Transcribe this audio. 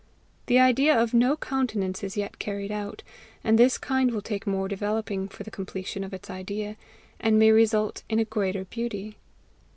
The idea of no countenance is yet carried out, and this kind will take more developing for the completion of its idea, and may result in a greater beauty.